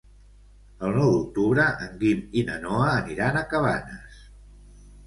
El nou d'octubre en Guim i na Noa aniran a Cabanes.